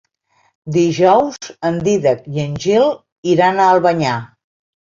Dijous en Dídac i en Gil iran a Albanyà.